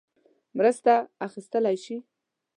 مرسته اخیستلای شي.